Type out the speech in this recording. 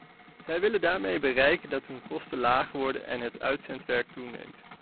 Zij willen daarmee bereiken dat hun kosten lager worden en het uitzendwerk toeneemt.